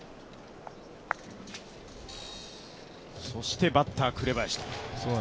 そしてバッター・紅林と。